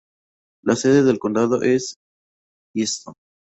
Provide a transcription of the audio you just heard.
La sede del condado es Easton.